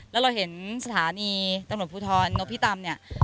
แล้วเราเห็นสถานีตำรวจภูทรนพิตำเนี่ย